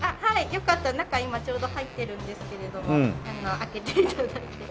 よかったら中今ちょうど入っているんですけれどもあの開けて頂いて。